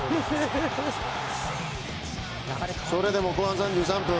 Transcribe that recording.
それでも後半３３分。